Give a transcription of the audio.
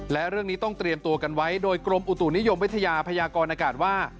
และเรื่องนี้ต้องเตรียมตัวกันไว้โดยกรมอุตุนิยมวิทยาพยากรอากาศว่า